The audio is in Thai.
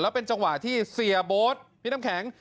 เป็นจังหวะที่เสียโบ๊ทพี่น้ำแข็ง